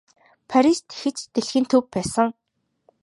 Парис тэгэхэд ч дэлхийн төв байсан.